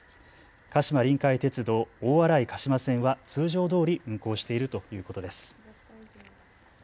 鹿島臨海鉄道大洗鹿島線は通常どおり運行しているということです。